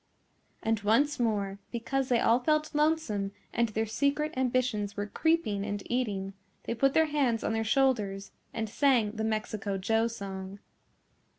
And once more because they all felt lonesome and their secret ambitions were creeping and eating, they put their hands on their shoulders and sang the Mexico Joe song.